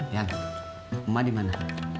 yan emak dimana